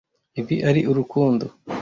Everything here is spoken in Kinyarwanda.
Ibi ari urukundo.